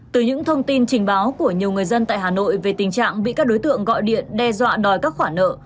từ những thông tin trình báo của nhiều người dân tại hà nội về tình trạng bị các đối tượng gọi điện đe dọa đòi các khoản nợ